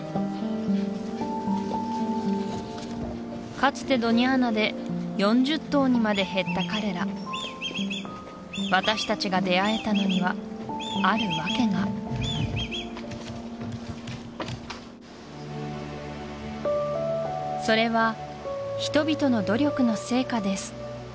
かつてドニャーナで４０頭にまで減った彼ら私たちが出会えたのにはある訳がそれは人々の努力の成果です